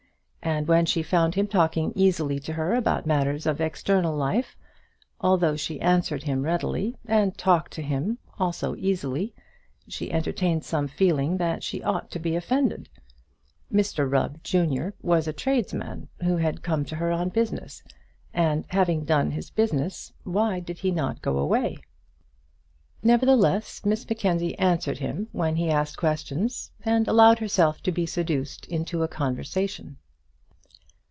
And when she found him talking easily to her about matters of external life, although she answered him readily, and talked to him also easily, she entertained some feeling that she ought to be offended. Mr Rubb, junior, was a tradesman who had come to her on business, and having done his business, why did he not go away? Nevertheless, Miss Mackenzie answered him when he asked questions, and allowed herself to be seduced into a conversation.